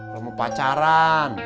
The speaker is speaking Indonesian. lo mau pacaran